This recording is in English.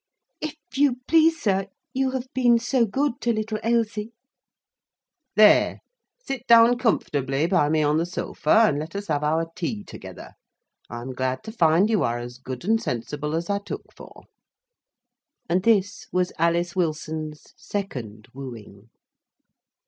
"If you please, sir,—you have been so good to little Ailsie—" "There, sit down comfortably by me on the sofa, and let us have our tea together. I am glad to find you are as good and sensible as I took you for." And this was Alice Wilson's second wooing.